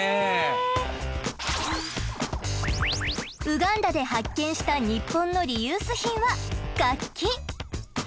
ウガンダで発見したニッポンのリユース品は楽器！